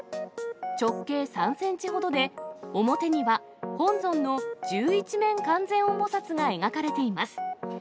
直径３センチほどで、表には本尊の十一面観世音菩薩が描かれています。